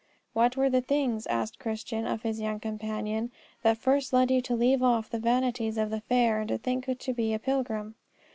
What were the things, asked Christian of his young companion, that first led you to leave off the vanities of the fair and to think to be a pilgrim?